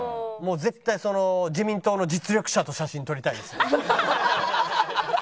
もう絶対自民党の実力者と写真撮りたいですね。